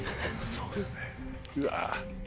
そうっすねうわ。